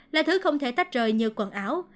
là thứ không thể tách rời như quần áo